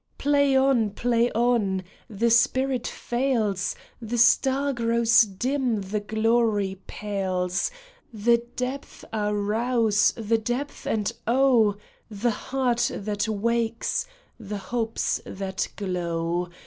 Play on ! Play on ! The spirit fails, The star grows dim, the glory pales, The depths are roused — the depths, and oh ! The heart that wakes, the hopes that glow